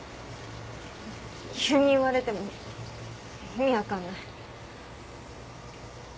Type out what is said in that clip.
急に言われても意味分かんない。